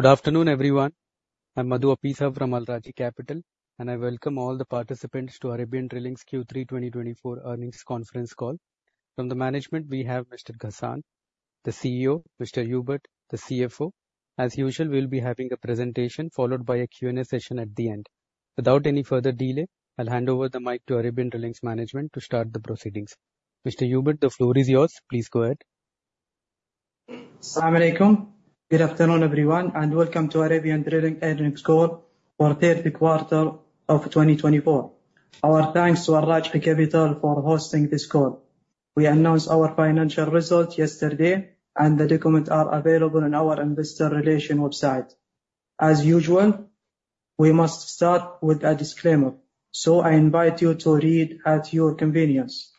Good afternoon, everyone. I'm Madhu Appissa from Al Rajhi Capital, and I welcome all the participants to Arabian Drilling's Q3 2024 earnings conference call. From the management, we have Mr. Ghassan, the CEO. Mr. Hubert, the CFO. As usual, we'll be having a presentation followed by a Q&A session at the end. Without any further delay, I'll hand over the mic to Arabian Drilling's management to start the proceedings. Mr. Hubert, the floor is yours. Please go ahead. Assalamualaikum. Good afternoon, everyone, and welcome to Arabian Drilling earnings call for the third quarter of 2024. Our thanks to Al Rajhi Capital for hosting this call. We announced our financial results yesterday, and the documents are available on our investor relations website. As usual, we must start with a disclaimer, so I invite you to read at your convenience.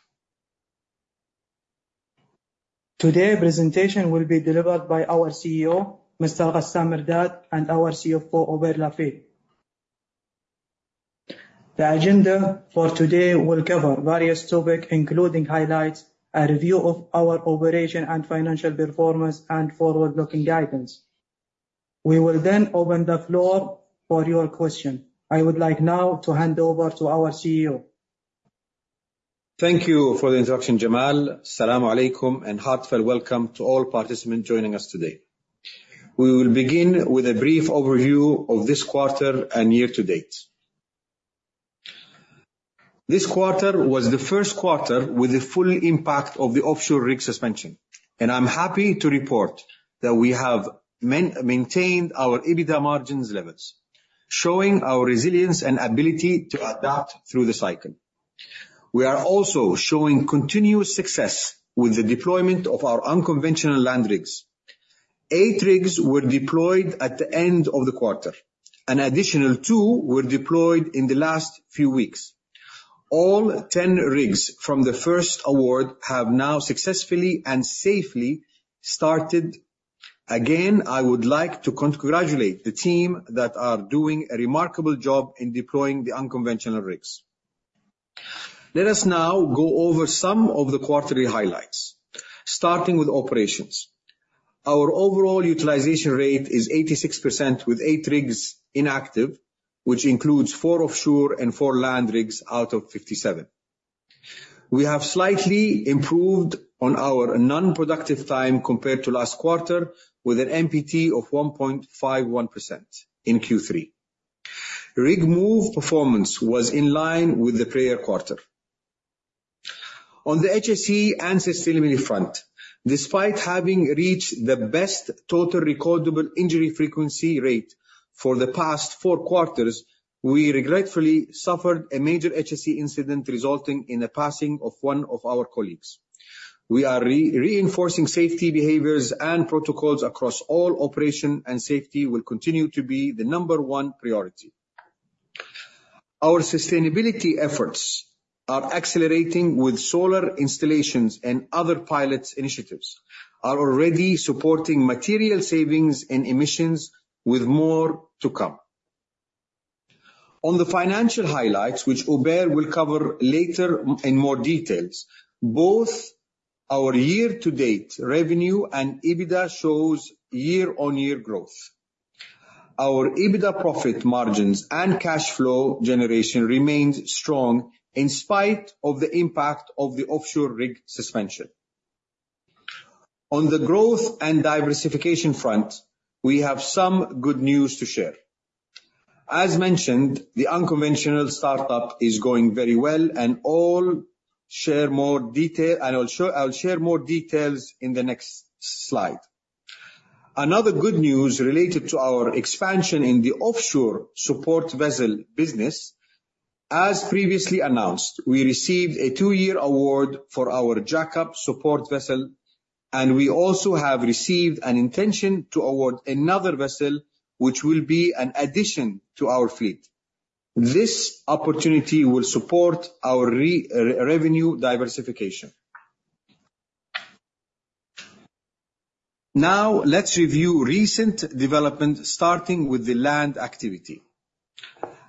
Today's presentation will be delivered by our CEO, Mr. Ghassan Mirdad, and our CFO, Hubert Lafeuille. The agenda for today will cover various topics, including highlights, a review of our operation and financial performance, and forward-looking guidance. We will then open the floor for your questions. I would like now to hand over to our CEO. Thank you for the introduction, Jamal. Assalamualaikum and heartfelt welcome to all participants joining us today. We will begin with a brief overview of this quarter and year to date. This quarter was the first quarter with the full impact of the offshore rig suspension, and I'm happy to report that we have maintained our EBITDA margins levels, showing our resilience and ability to adapt through the cycle. We are also showing continuous success with the deployment of our unconventional land rigs. Eight rigs were deployed at the end of the quarter, and additional two were deployed in the last few weeks. All 10 rigs from the first award have now successfully and safely started. Again, I would like to congratulate the team that is doing a remarkable job in deploying the unconventional rigs. Let us now go over some of the quarterly highlights, starting with operations. Our overall utilization rate is 86% with eight rigs inactive, which includes four offshore and four land rigs out of 57. We have slightly improved on our non-productive time compared to last quarter, with an NPT of 1.51% in Q3. Rig move performance was in line with the prior quarter. On the HSE and safety front, despite having reached the best total recordable injury frequency rate for the past four quarters, we regretfully suffered a major HSE incident resulting in the passing of one of our colleagues. We are reinforcing safety behaviors and protocols across all operations, and safety will continue to be the number one priority. Our sustainability efforts are accelerating with solar installations and other pilot initiatives, already supporting material savings and emissions with more to come. On the financial highlights, which Hubert will cover later in more detail, both our year-to-date revenue and EBITDA show year-on-year growth. Our EBITDA profit margins and cash flow generation remain strong in spite of the impact of the offshore rig suspension. On the growth and diversification front, we have some good news to share. As mentioned, the unconventional startup is going very well, and I'll share more details in the next slide. Another good news related to our expansion in the offshore support vessel business. As previously announced, we received a two-year award for our Jack-up support vessel, and we also have received an intention to award another vessel, which will be an addition to our fleet. This opportunity will support our revenue diversification. Now, let's review recent developments, starting with the land activity.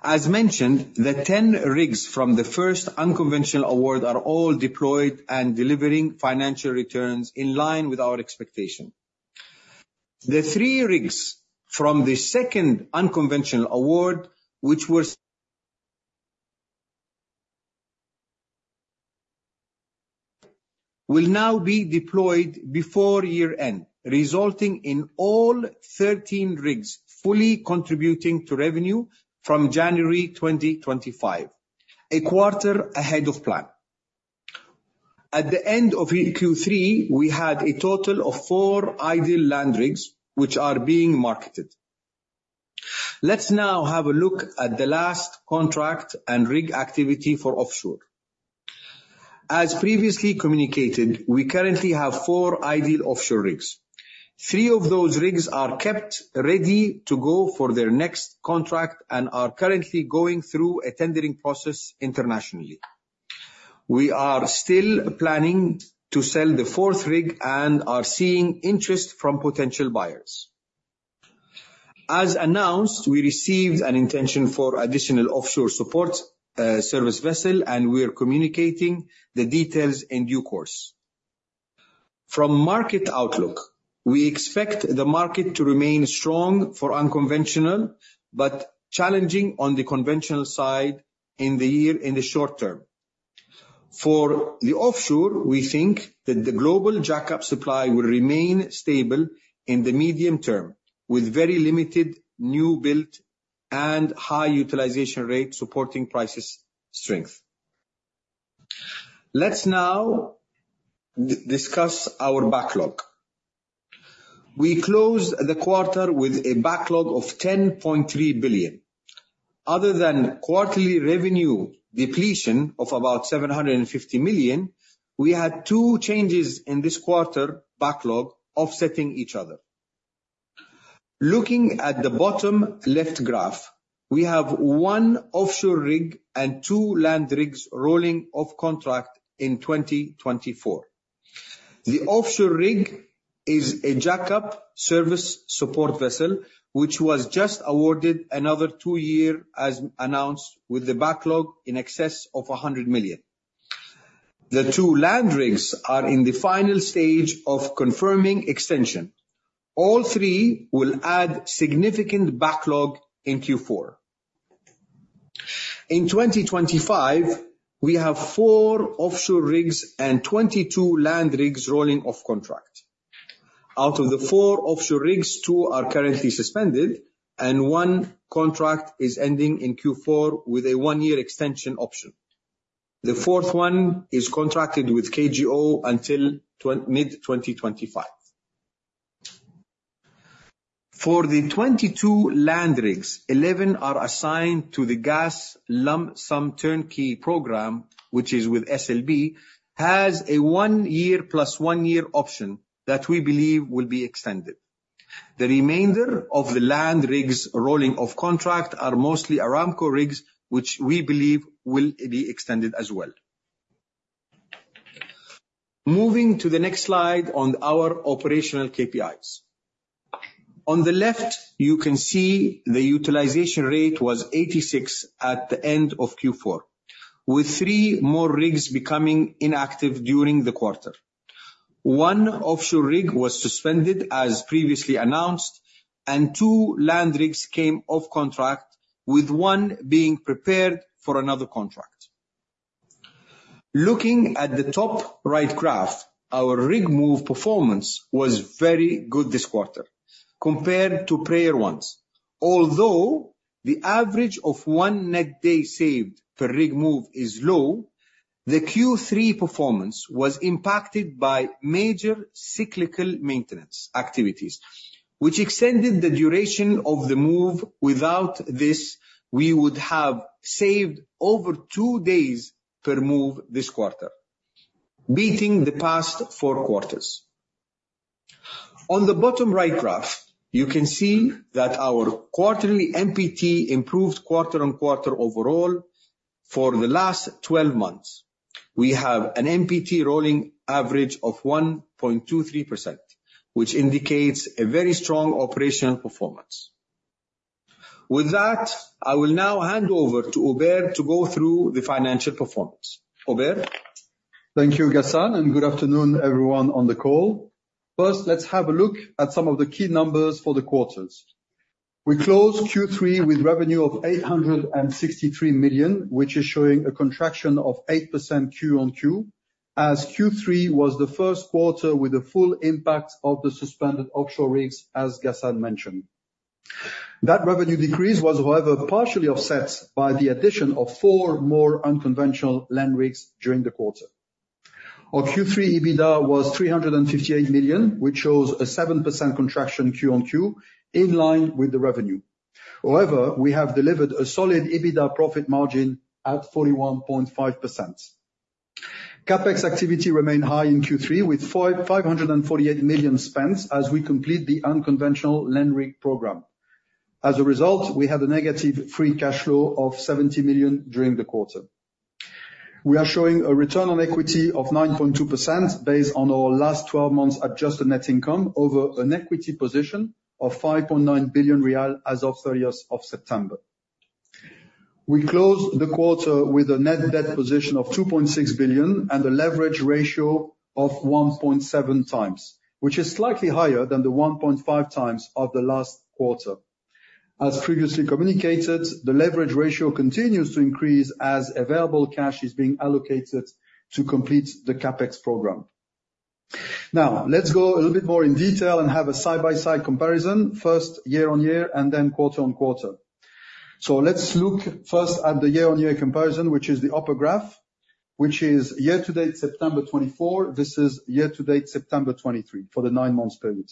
As mentioned, the 10 rigs from the first unconventional award are all deployed and delivering financial returns in line with our expectation. The three rigs from the second unconventional award, which will now be deployed before year-end, resulting in all 13 rigs fully contributing to revenue from January 2025, a quarter ahead of plan. At the end of Q3, we had a total of four idle land rigs, which are being marketed. Let's now have a look at the last contract and rig activity for offshore. As previously communicated, we currently have four idle offshore rigs. Three of those rigs are kept ready to go for their next contract and are currently going through a tendering process internationally. We are still planning to sell the fourth rig and are seeing interest from potential buyers. As announced, we received an intention for additional offshore support service vessel, and we are communicating the details in due course. From market outlook, we expect the market to remain strong for unconventional but challenging on the conventional side in the short term. For the offshore, we think that the global Jack-up supply will remain stable in the medium term, with very limited new-built and high utilization rates supporting price strength. Let's now discuss our backlog. We closed the quarter with a backlog of 10.3 billion. Other than quarterly revenue depletion of about 750 million, we had two changes in this quarter backlog offsetting each other. Looking at the bottom-left graph, we have one offshore rig and two land rigs rolling off contract in 2024. The offshore rig is a Jack-up service support vessel, which was just awarded another two years, as announced, with a backlog in excess of 100 million. The two land rigs are in the final stage of confirming extension. All three will add significant backlog in Q4. In 2025, we have four offshore rigs and 22 land rigs rolling off contract. Out of the four offshore rigs, two are currently suspended, and one contract is ending in Q4 with a one-year extension option. The fourth one is contracted with KJO until mid-2025. For the 22 land rigs, 11 are assigned to the Gas Lump Sum Turnkey Program, which is with SLB, has a one-year plus one-year option that we believe will be extended. The remainder of the land rigs rolling off contract are mostly Aramco rigs, which we believe will be extended as well. Moving to the next slide on our operational KPIs. On the left, you can see the utilization rate was 86% at the end of Q4, with three more rigs becoming inactive during the quarter. One offshore rig was suspended, as previously announced, and two land rigs came off contract, with one being prepared for another contract. Looking at the top-right graph, our rig move performance was very good this quarter compared to prior ones. Although the average of one net day saved per rig move is low, the Q3 performance was impacted by major cyclical maintenance activities, which extended the duration of the move. Without this, we would have saved over two days per move this quarter, beating the past four quarters. On the bottom-right graph, you can see that our quarterly NPT improved quarter on quarter overall for the last 12 months. We have an NPT rolling average of 1.23%, which indicates a very strong operational performance. With that, I will now hand over to Hubert to go through the financial performance. Hubert? Thank you, Ghassan, and good afternoon, everyone on the call. First, let's have a look at some of the key numbers for the quarters. We closed Q3 with revenue of 863 million, which is showing a contraction of 8% Q on Q, as Q3 was the first quarter with the full impact of the suspended offshore rigs, as Ghassan mentioned. That revenue decrease was, however, partially offset by the addition of four more unconventional land rigs during the quarter. Our Q3 EBITDA was 358 million, which shows a 7% contraction Q on Q, in line with the revenue. However, we have delivered a solid EBITDA profit margin at 41.5%. CapEx activity remained high in Q3, with 548 million spent as we complete the unconventional land rig program. As a result, we had a negative free cash flow of 70 million during the quarter. We are showing a return on equity of 9.2% based on our last 12 months adjusted net income over an equity position of 5.9 billion riyal as of 30th of September. We closed the quarter with a net debt position of 2.6 billion and a leverage ratio of 1.7 times, which is slightly higher than the 1.5 times of the last quarter. As previously communicated, the leverage ratio continues to increase as available cash is being allocated to complete the CapEx program. Now, let's go a little bit more in detail and have a side-by-side comparison, first year-on-year and then quarter-on-quarter. So let's look first at the year-on-year comparison, which is the upper graph, which is year-to-date September 2024. This is year-to-date September 2023 for the nine-month period.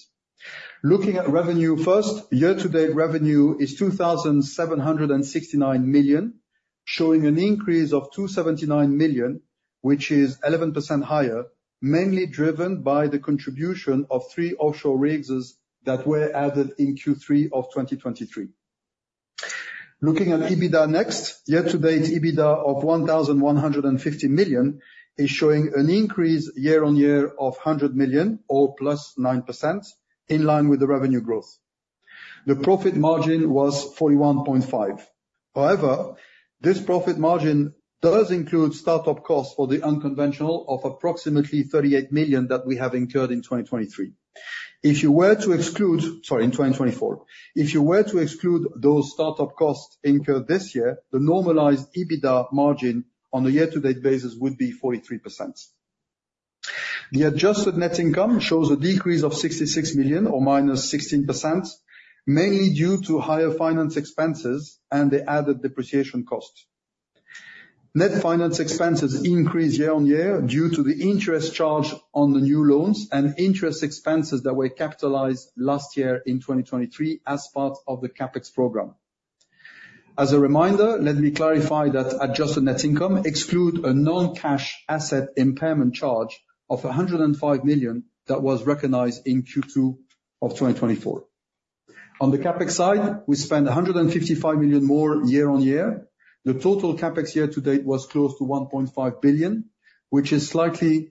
Looking at revenue first, year-to-date revenue is 2,769 million, showing an increase of 279 million, which is 11% higher, mainly driven by the contribution of three offshore rigs that were added in Q3 of 2023. Looking at EBITDA next, year-to-date EBITDA of 1,150 million is showing an increase year-on-year of 100 million, or plus 9%, in line with the revenue growth. The profit margin was 41.5%. However, this profit margin does include startup costs for the unconventional of approximately 38 million that we have incurred in 2023. If you were to exclude, sorry, in 2024, if you were to exclude those startup costs incurred this year, the normalized EBITDA margin on a year-to-date basis would be 43%. The adjusted net income shows a decrease of 66 million, or minus 16%, mainly due to higher finance expenses and the added depreciation costs. Net finance expenses increase year-on-year due to the interest charge on the new loans and interest expenses that were capitalized last year in 2023 as part of the CapEx program. As a reminder, let me clarify that adjusted net income excludes a non-cash asset impairment charge of 105 million that was recognized in Q2 of 2024. On the CapEx side, we spend 155 million more year-on-year. The total CapEx year-to-date was close to 1.5 billion, which is slightly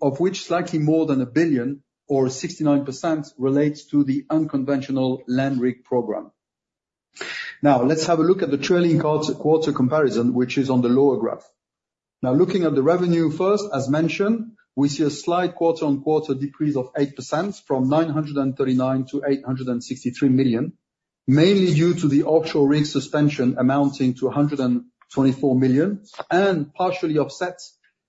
more than a billion, or 69% relates to the unconventional land rig program. Now, let's have a look at the trailing quarter comparison, which is on the lower graph. Now, looking at the revenue first, as mentioned, we see a slight quarter-on-quarter decrease of 8% from 939 million to 863 million, mainly due to the offshore rig suspension amounting to 124 million and partially offset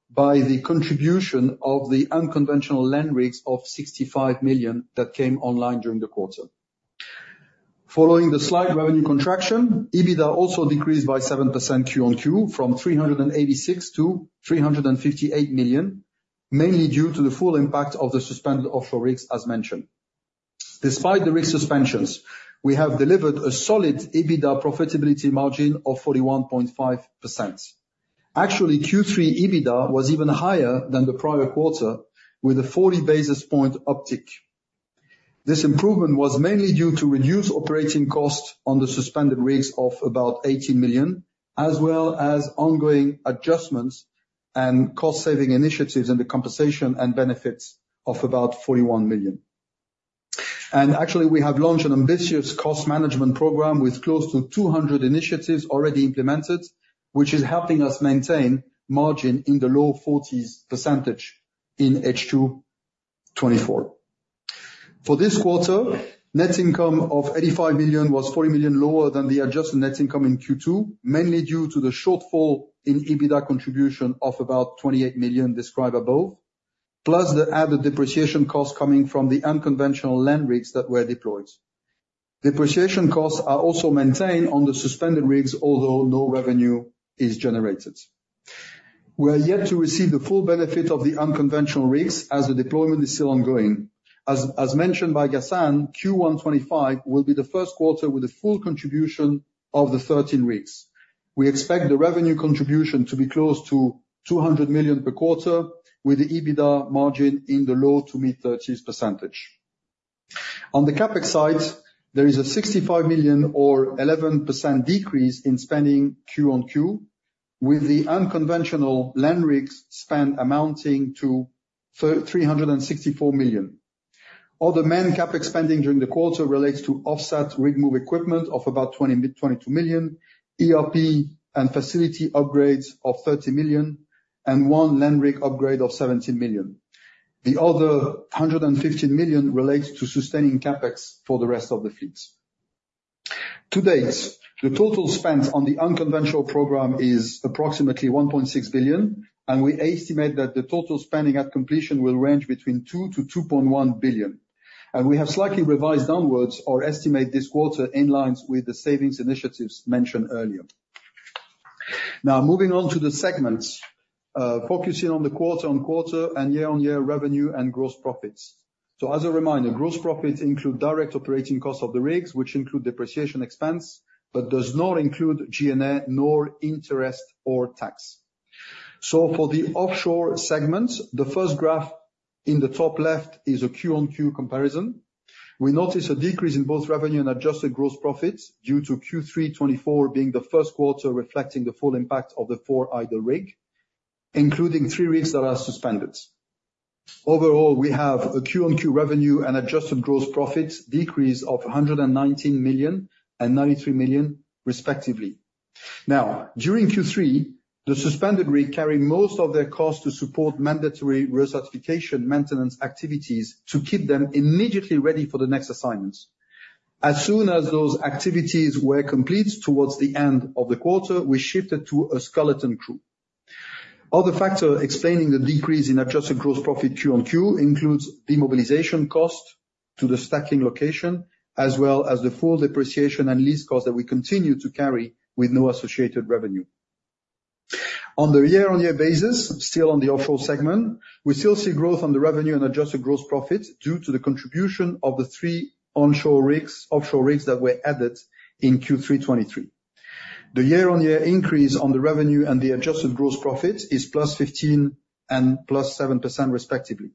by the contribution of the unconventional land rigs of 65 million that came online during the quarter. Following the slight revenue contraction, EBITDA also decreased by 7% Q on Q from 386 million to 358 million, mainly due to the full impact of the suspended offshore rigs, as mentioned. Despite the rig suspensions, we have delivered a solid EBITDA profitability margin of 41.5%. Actually, Q3 EBITDA was even higher than the prior quarter, with a 40 basis point uptick. This improvement was mainly due to reduced operating costs on the suspended rigs of about 18 million, as well as ongoing adjustments and cost-saving initiatives in the compensation and benefits of about 41 million. Actually, we have launched an ambitious cost management program with close to 200 initiatives already implemented, which is helping us maintain margin in the low 40s% in H2 2024. For this quarter, net income of 85 million was 40 million lower than the adjusted net income in Q2, mainly due to the shortfall in EBITDA contribution of about 28 million described above, plus the added depreciation costs coming from the unconventional land rigs that were deployed. Depreciation costs are also maintained on the suspended rigs, although no revenue is generated. We are yet to receive the full benefit of the unconventional rigs as the deployment is still ongoing. As mentioned by Ghassan, Q1 2025 will be the first quarter with the full contribution of the 13 rigs. We expect the revenue contribution to be close to 200 million per quarter, with the EBITDA margin in the low to mid-30s%. On the CapEx side, there is a 65 million or 11% decrease in spending Q on Q, with the unconventional land rigs spent amounting to 364 million. Other main CapEx spending during the quarter relates to offset rig move equipment of about 22 million, ERP and facility upgrades of 30 million, and one land rig upgrade of 17 million. The other 115 million relates to sustaining CapEx for the rest of the fleets. To date, the total spent on the unconventional program is approximately 1.6 billion, and we estimate that the total spending at completion will range between 2 billion to 2.1 billion. We have slightly revised downwards our estimate this quarter in line with the savings initiatives mentioned earlier. Now, moving on to the segments, focusing on the quarter-on-quarter and year-on-year revenue and gross profits. As a reminder, gross profits include direct operating costs of the rigs, which include depreciation expense, but does not include G&A nor interest or tax. For the offshore segment, the first graph in the top left is a Q on Q comparison. We notice a decrease in both revenue and adjusted gross profits due to Q3 2024 being the first quarter reflecting the full impact of the four idle rig, including three rigs that are suspended. Overall, we have a Q on Q revenue and adjusted gross profits decrease of 119 million and 93 million, respectively. Now, during Q3, the suspended rig carried most of their costs to support mandatory recertification maintenance activities to keep them immediately ready for the next assignments. As soon as those activities were complete towards the end of the quarter, we shifted to a skeleton crew. Other factors explaining the decrease in adjusted gross profit Q on Q include demobilization cost to the stacking location, as well as the full depreciation and lease cost that we continue to carry with no associated revenue. On the year-on-year basis, still on the offshore segment, we still see growth on the revenue and adjusted gross profits due to the contribution of the three offshore rigs that were added in Q3 2023. The year-on-year increase on the revenue and the adjusted gross profit is plus 15% and plus 7%, respectively.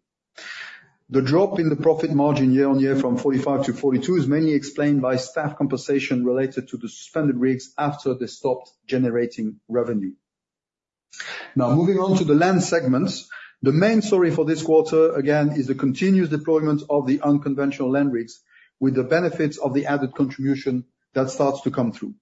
The drop in the profit margin year-on-year from 45% to 42% is mainly explained by staff compensation related to the suspended rigs after they stopped generating revenue. Now, moving on to the land segments, the main story for this quarter, again, is the continuous deployment of the unconventional land rigs with the benefits of the added contribution that starts to come through.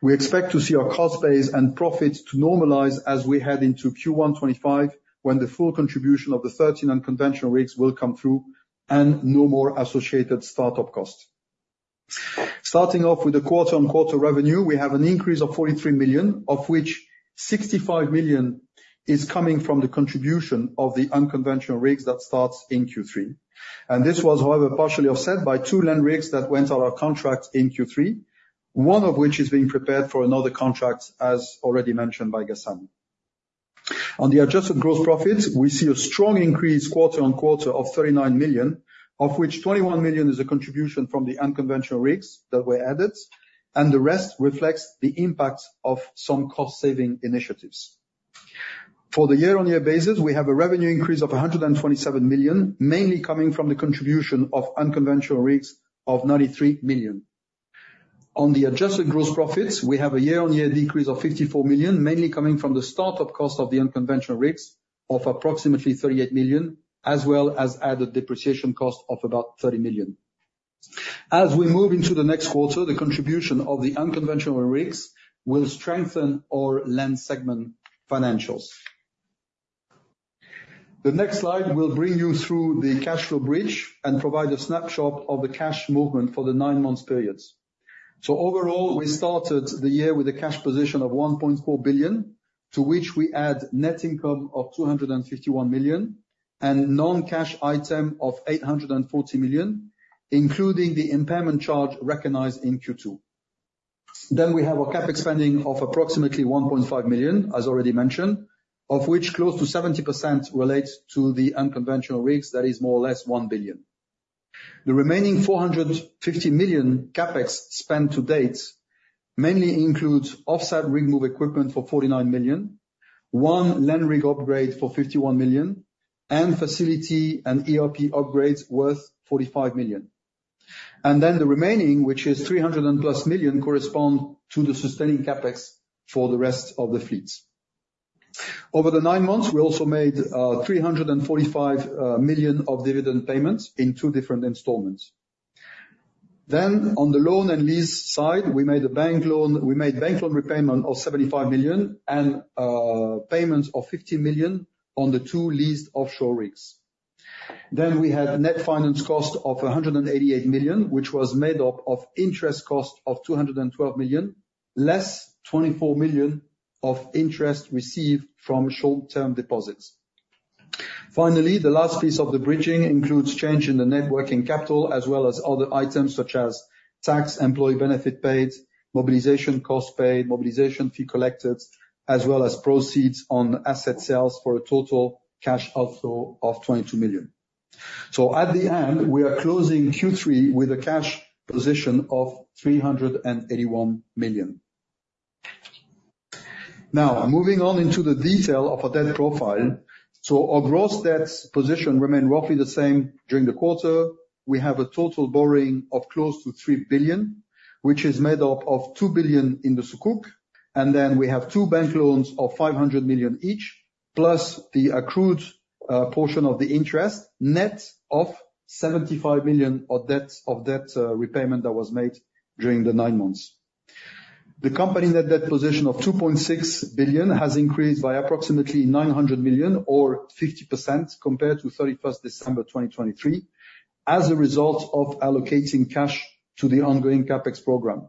We expect to see our cost base and profits to normalize as we head into Q125 when the full contribution of the 13 unconventional rigs will come through and no more associated startup costs. Starting off with the quarter-on-quarter revenue, we have an increase of 43 million, of which 65 million is coming from the contribution of the unconventional rigs that starts in Q3, and this was, however, partially offset by two land rigs that went out of contract in Q3, one of which is being prepared for another contract, as already mentioned by Ghassan. On the adjusted gross profits, we see a strong increase quarter-on-quarter of 39 million, of which 21 million is a contribution from the unconventional rigs that were added, and the rest reflects the impact of some cost-saving initiatives. For the year-on-year basis, we have a revenue increase of 127 million, mainly coming from the contribution of unconventional rigs of 93 million. On the adjusted gross profits, we have a year-on-year decrease of 54 million, mainly coming from the startup cost of the unconventional rigs of approximately 38 million, as well as added depreciation cost of about 30 million. As we move into the next quarter, the contribution of the unconventional rigs will strengthen our land segment financials. The next slide will bring you through the cash flow bridge and provide a snapshot of the cash movement for the nine-month periods. Overall, we started the year with a cash position of 1.4 billion, to which we add net income of 251 million and non-cash item of 840 million, including the impairment charge recognized in Q2. We have a CapEx spending of approximately 1.5 billion, as already mentioned, of which close to 70% relates to the unconventional rigs, that is more or less 1 billion. The remaining 450 million CapEx spent to date mainly includes offset rig move equipment for 49 million, one land rig upgrade for 51 million, and facility and ERP upgrades worth 45 million. The remaining, which is 300 and plus million, corresponds to the sustaining CapEx for the rest of the fleets. Over the nine months, we also made 345 million of dividend payments in two different installments. Then, on the loan and lease side, we made a bank loan repayment of 75 million and payments of 50 million on the two leased offshore rigs. Then we had net finance cost of 188 million, which was made up of interest cost of 212 million, less 24 million of interest received from short-term deposits. Finally, the last piece of the bridging includes change in the net working capital, as well as other items such as tax, employee benefit paid, mobilization cost paid, mobilization fee collected, as well as proceeds on asset sales for a total cash outflow of 22 million. So, at the end, we are closing Q3 with a cash position of 381 million. Now, moving on into the detail of a debt profile. So, our gross debt position remained roughly the same during the quarter. We have a total borrowing of close to 3 billion, which is made up of 2 billion in the Sukuk. And then we have two bank loans of 500 million each, plus the accrued portion of the interest, net of 75 million of debt repayment that was made during the nine months. The company net debt position of 2.6 billion has increased by approximately 900 million, or 50%, compared to 31st December 2023, as a result of allocating cash to the ongoing CapEx program.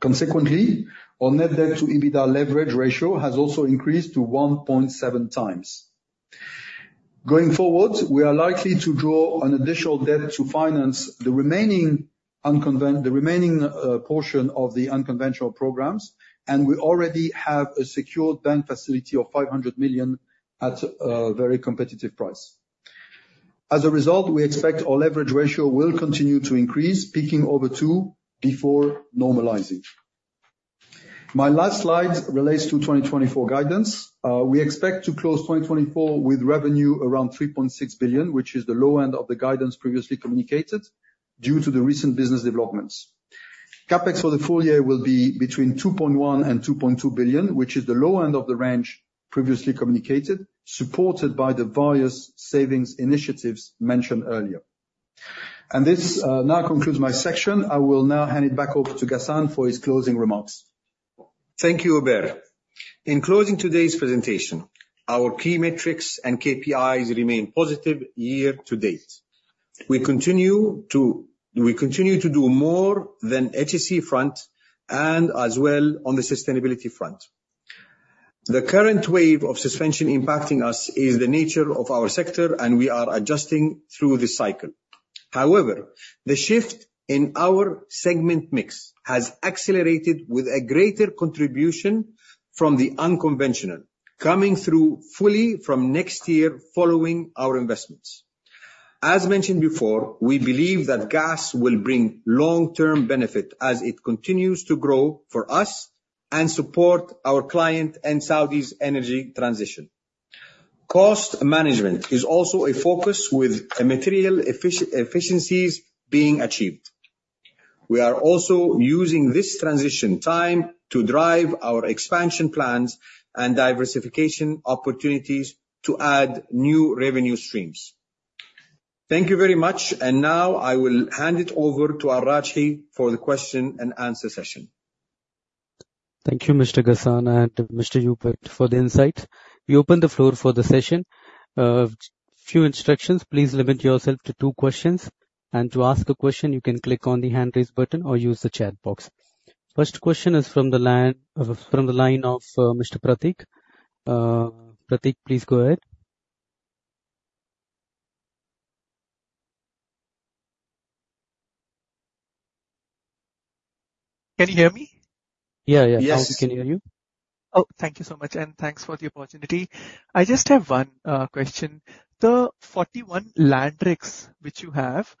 Consequently, our net debt to EBITDA leverage ratio has also increased to 1.7 times. Going forward, we are likely to draw an additional debt to finance the remaining portion of the unconventional programs, and we already have a secured bank facility of 500 million at a very competitive price. As a result, we expect our leverage ratio will continue to increase, peaking over two before normalizing. My last slide relates to 2024 guidance. We expect to close 2024 with revenue around 3.6 billion, which is the low end of the guidance previously communicated due to the recent business developments. CapEx for the full year will be between 2.1 billion and 2.2 billion, which is the low end of the range previously communicated, supported by the various savings initiatives mentioned earlier, and this now concludes my section. I will now hand it back over to Ghassan for his closing remarks. Thank you, Hubert. In closing today's presentation, our key metrics and KPIs remain positive year to date. We continue to do more on the HSE front and as well on the sustainability front. The current wave of suspension impacting us is the nature of our sector, and we are adjusting through the cycle. However, the shift in our segment mix has accelerated with a greater contribution from the unconventional, coming through fully from next year following our investments. As mentioned before, we believe that gas will bring long-term benefit as it continues to grow for us and support our client and Saudi's energy transition. Cost management is also a focus with material efficiencies being achieved. We are also using this transition time to drive our expansion plans and diversification opportunities to add new revenue streams. Thank you very much, and now I will hand it over to Al Rajhi for the question and answer session. Thank you, Mr. Ghassan and Mr. Hubert, for the insight. We open the floor for the session. A few instructions. Please limit yourself to two questions and to ask a question, you can click on the hand raise button or use the chat box. First question is from the line of Mr. Prateek. Prateek, please go ahead. Can you hear me? Yeah, yeah. Yes, we can hear you. Oh, thank you so much, and thanks for the opportunity. I just have one question. The 41 land rigs which you have,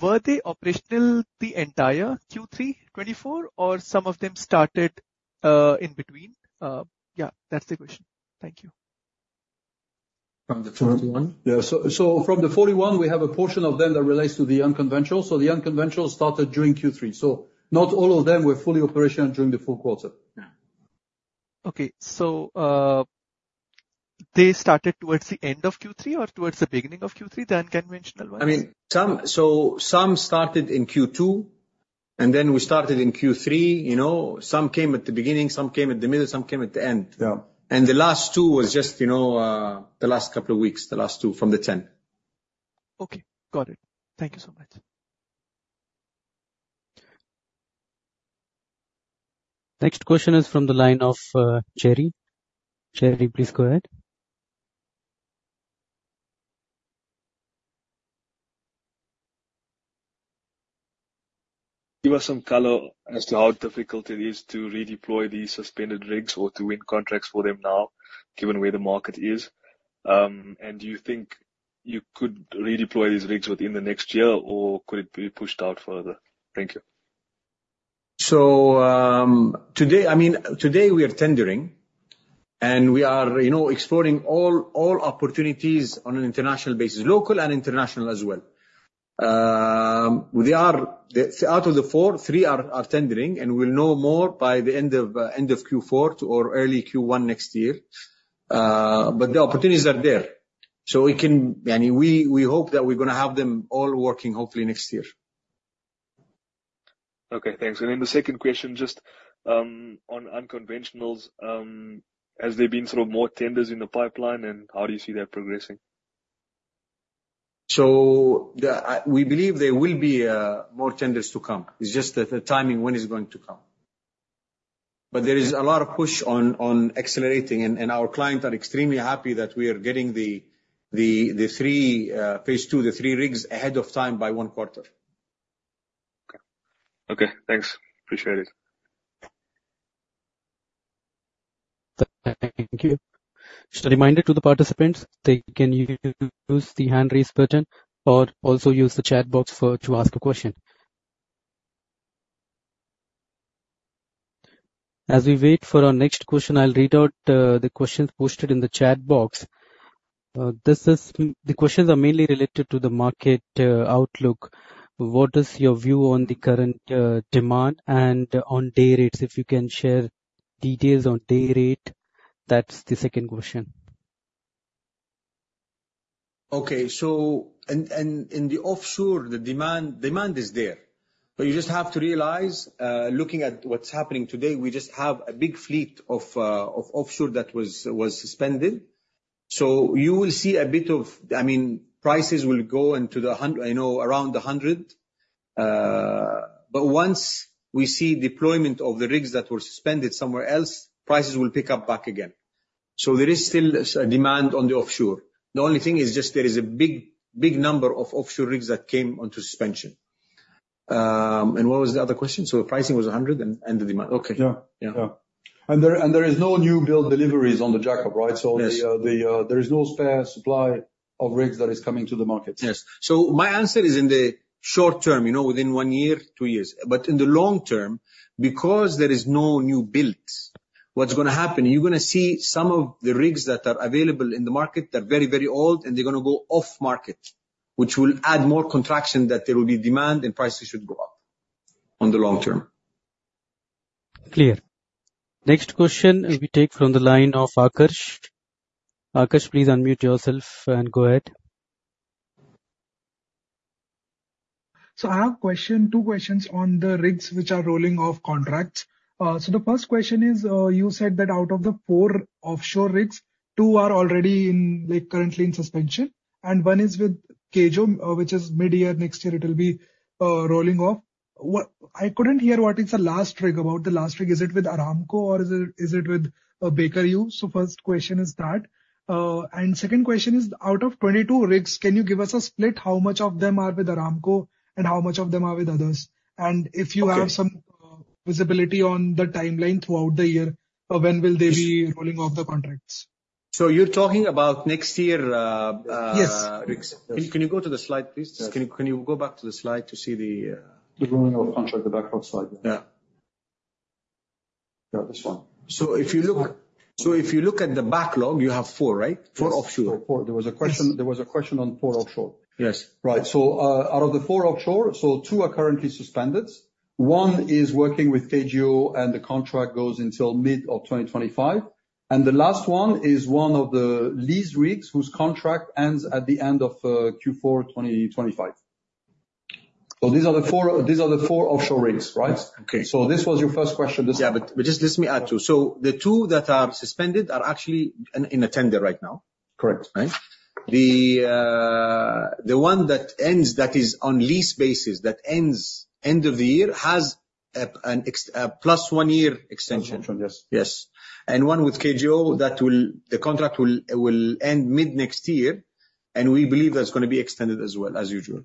were they operational the entire Q3 2024, or some of them started in between? Yeah, that's the question. Thank you. From the 41? Yeah. So from the 41, we have a portion of them that relates to the unconventional. So the unconventional started during Q3. So not all of them were fully operational during the full quarter. Okay. So they started towards the end of Q3 or towards the beginning of Q3, the unconventional ones? I mean, some started in Q2, and then we started in Q3. Some came at the beginning, some came at the middle, some came at the end. And the last two was just the last couple of weeks, the last two from the 10. Okay. Got it. Thank you so much. Next question is from the line of Jerry. Jerry, please go ahead. Give us some color as to how difficult it is to redeploy these suspended rigs or to win contracts for them now, given where the market is. And do you think you could redeploy these rigs within the next year, or could it be pushed out further? Thank you. So today, I mean, today we are tendering, and we are exploring all opportunities on an international basis, local and international as well. Out of the four, three are tendering, and we'll know more by the end of Q4 or early Q1 next year. But the opportunities are there. So we hope that we're going to have them all working, hopefully, next year. Okay. Thanks. And then the second question, just on unconventionals, has there been sort of more tenders in the pipeline, and how do you see that progressing? So we believe there will be more tenders to come. It's just the timing, when it's going to come. But there is a lot of push on accelerating, and our clients are extremely happy that we are getting the phase two, the three rigs ahead of time by one quarter. Okay. Thanks. Appreciate it. Thank you. Just a reminder to the participants, they can use the handraise button or also use the chat box to ask a question. As we wait for our next question, I'll read out the questions posted in the chat box. The questions are mainly related to the market outlook. What is your view on the current demand and on day rates? If you can share details on day rate, that's the second question. Okay, and in the offshore, the demand is there. But you just have to realize, looking at what's happening today, we just have a big fleet of offshore that was suspended, so you will see a bit of, I mean, prices will go into the, I know, around 100, but once we see deployment of the rigs that were suspended somewhere else, prices will pick up back again, so there is still demand on the offshore. The only thing is just there is a big number of offshore rigs that came onto suspension, and what was the other question, so the pricing was 100 and the demand. Okay. Yeah. Yeah, and there is no new build deliveries on the Jack-up, right, so there is no further supply of rigs that is coming to the market. Yes. So my answer is in the short term, within one year, two years. But in the long term, because there is no new builds, what's going to happen? You're going to see some of the rigs that are available in the market that are very, very old, and they're going to go off-market, which will add more contraction that there will be demand and prices should go up on the long term. Clear. Next question we take from the line of Akash. Akash, please unmute yourself and go ahead. So I have two questions on the rigs which are rolling off contracts. So the first question is, you said that out of the four offshore rigs, two are already currently in suspension, and one is with KJO, which is mid-year. Next year, it will be rolling off. I couldn't hear what is the last rig about? The last rig, is it with Aramco or is it with Baker Hughes? So first question is that, and second question is, out of 22 rigs, can you give us a split how much of them are with Aramco and how much of them are with others? And if you have some visibility on the timeline throughout the year, when will they be rolling off the contracts, so you're talking about next year's rigs. Can you go to the slide, please? Can you go back to the slide to see the rolling off contract, the backlog slide? Yeah. This one. If you look at the backlog, you have four, right? Four offshore. There was a question on four offshore. Yes. Right. Out of the four offshore, two are currently suspended. One is working with KJO, and the contract goes until mid of 2025. And the last one is one of the leased rigs whose contract ends at the end of Q4 2025. So these are the four offshore rigs, right? So this was your first question. Yeah. But just let me add too. So the two that are suspended are actually in a tender right now. Correct. The one that ends that is on lease basis, that ends end of the year, has a plus one-year extension. Yes. And one with KJO, the contract will end mid-next year, and we believe that's going to be extended as well, as usual.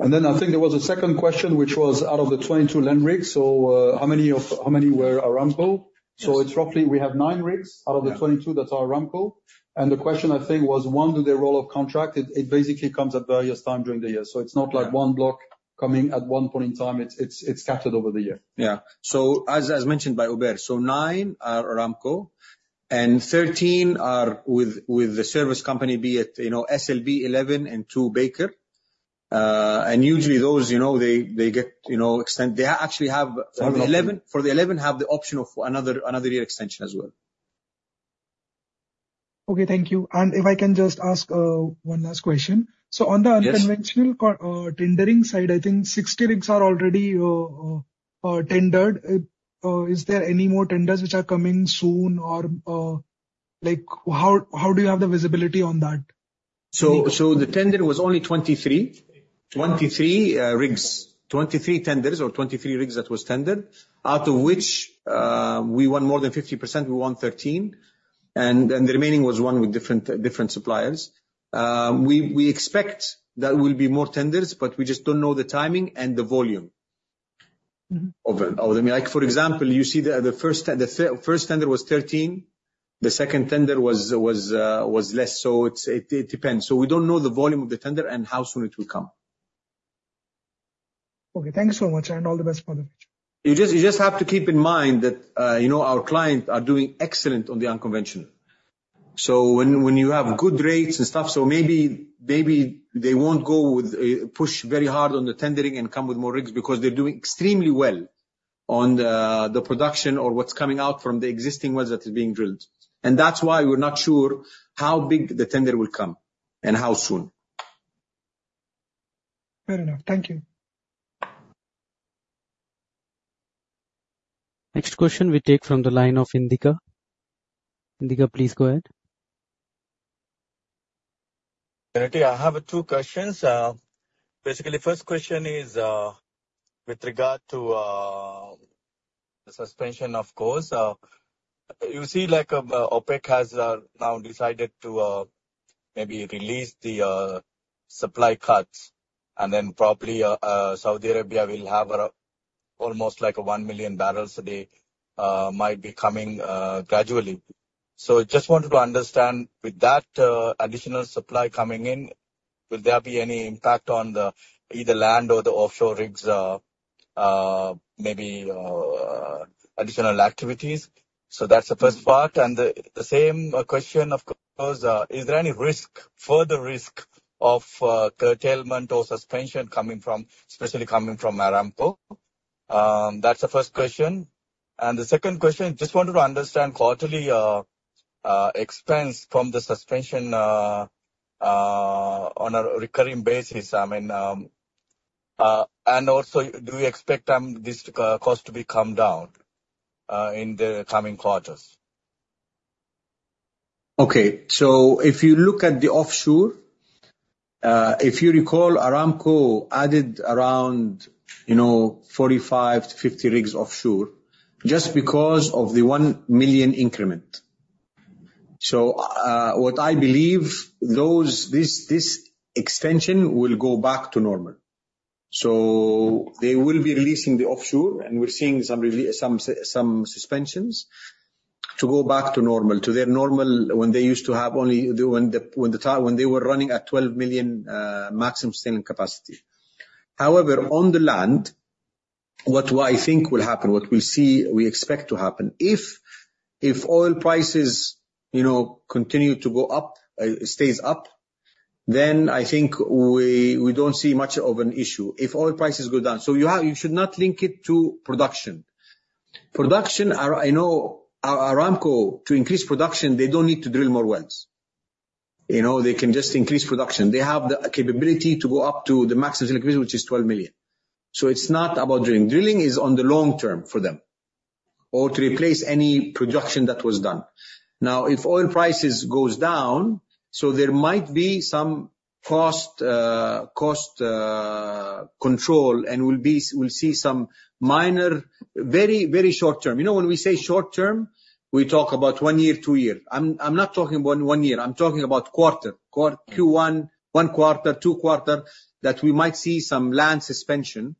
And then I think there was a second question, which was out of the 22 land rigs, so how many were Aramco? So we have nine rigs out of the 22 that are Aramco. And the question, I think, was, one, do they roll off contract? It basically comes at various times during the year. So it's not like one block coming at one point in time. It's scattered over the year. Yeah. So as mentioned by Hubert, so nine are Aramco, and 13 are with the service company, be it SLB 11 and two Baker. And usually, those, they get extended. They actually have for the 11, have the option of another year extension as well. Okay. Thank you. And if I can just ask one last question. So on the unconventional tendering side, I think 60 rigs are already tendered. Is there any more tenders which are coming soon, or how do you have the visibility on that? So the tender was only 23 rigs, 23 tenders or 23 rigs that were tendered, out of which we won more than 50%. We won 13, and the remaining was won with different suppliers. We expect there will be more tenders, but we just don't know the timing and the volume. For example, you see the first tender was 13. The second tender was less. So it depends. So we don't know the volume of the tender and how soon it will come. Okay. Thanks so much, and all the best for the future. You just have to keep in mind that our clients are doing excellent on the unconventional. So when you have good rates and stuff, so maybe they won't go with push very hard on the tendering and come with more rigs because they're doing extremely well on the production or what's coming out from the existing ones that are being drilled. And that's why we're not sure how big the tender will come and how soon. Fair enough. Thank you. Next question we take from the line of Indika. Indika, please go ahead. I have two questions. Basically, first question is with regard to the suspension, of course. You see like OPEC has now decided to maybe release the supply cuts, and then probably Saudi Arabia will have almost like a one million barrels a day might be coming gradually. So I just wanted to understand with that additional supply coming in, will there be any impact on either land or the offshore rigs, maybe additional activities? So that's the first part. And the same question, of course, is there any further risk of curtailment or suspension coming from, especially coming from Aramco? That's the first question. And the second question, just wanted to understand quarterly expense from the suspension on a recurring basis. I mean, and also do we expect this cost to become down in the coming quarters? Okay. If you look at the offshore, if you recall, Aramco added around 45-50 rigs offshore just because of the one million increment. What I believe, this extension will go back to normal. They will be releasing the offshore, and we're seeing some suspensions to go back to normal, to their normal when they used to have only when they were running at 12 million maximum sustainable capacity. However, on the land, what I think will happen, what we expect to happen, if oil prices continue to go up, stays up, then I think we don't see much of an issue. If oil prices go down, so you should not link it to production. Production, I know Aramco, to increase production, they don't need to drill more wells. They can just increase production. They have the capability to go up to the maximum selling capacity, which is 12 million. So it's not about drilling. Drilling is on the long term for them or to replace any production that was done. Now, if oil prices go down, so there might be some cost control and we'll see some minor very, very short term. When we say short term, we talk about one year, two years. I'm not talking about one year. I'm talking about quarter, Q1, one quarter, two quarter, that we might see some land suspension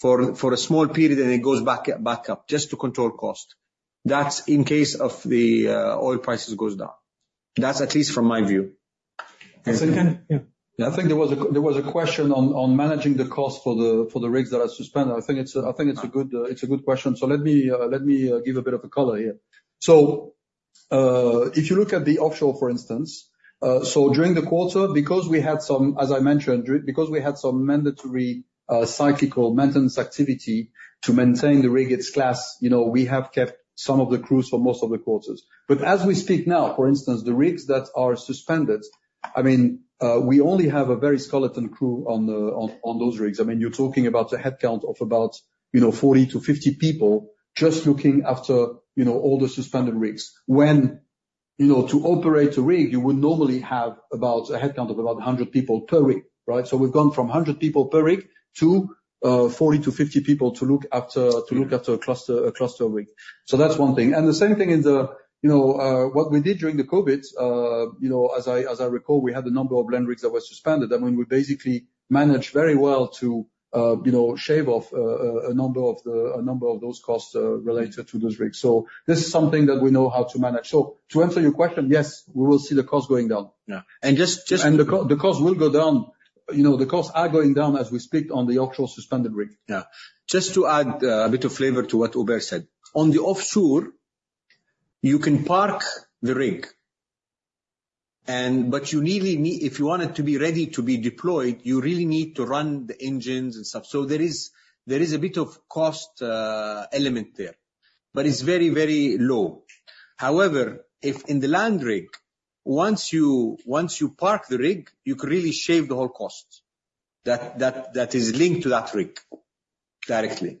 for a small period, and it goes back up just to control cost. That's in case of the oil prices go down. That's at least from my view. I think there was a question on managing the cost for the rigs that are suspended. I think it's a good question. So let me give a bit of a color here. So if you look at the offshore, for instance, so during the quarter, because we had some, as I mentioned, because we had some mandatory cyclical maintenance activity to maintain the rig, its class, we have kept some of the crews for most of the quarter. But as we speak now, for instance, the rigs that are suspended, I mean, we only have a very skeleton crew on those rigs. I mean, you're talking about a headcount of about 40-50 people just looking after all the suspended rigs. When to operate a rig, you would normally have a headcount of about 100 people per rig, right? So we've gone from 100 people per rig to 40-50 people to look after a cluster rig. So that's one thing. And the same thing is what we did during the COVID. As I recall, we had a number of land rigs that were suspended. I mean, we basically managed very well to shave off a number of those costs related to those rigs. So this is something that we know how to manage. So to answer your question, yes, we will see the cost going down. And the cost will go down. The costs are going down as we speak on the offshore suspended rig. Yeah. Just to add a bit of flavor to what Hubert said, on the offshore, you can park the rig, but if you want it to be ready to be deployed, you really need to run the engines and stuff. So there is a bit of cost element there, but it's very, very low. However, if in the land rig, once you park the rig, you can really shave the whole cost that is linked to that rig directly.